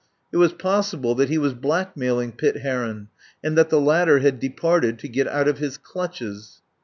It was possible that he was blackmailing Pitt Heron, and that the latter had departed to get out of his clutches.